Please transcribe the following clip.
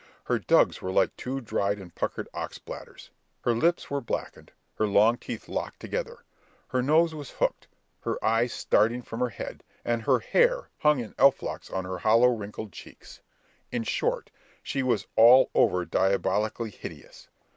Her dugs were like two dried and puckered ox bladders; her lips were blackened; her long teeth locked together; her nose was hooked; her eyes starting from her head; her hair hung in elf locks on her hollow wrinkled cheeks;—in short, she was all over diabolically hideous.